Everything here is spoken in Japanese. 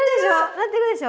なってるでしょ。